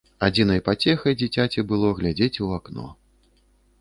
Адзінай пацехай дзіцяці было глядзець у акно.